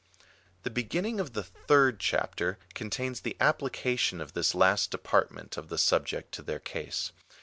The beginning of the third chapter contains the applica tion of this last department of the subject to their case.